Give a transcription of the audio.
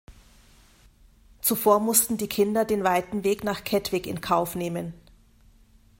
Zuvor mussten die Kinder den weiten Weg nach Kettwig in Kauf nehmen.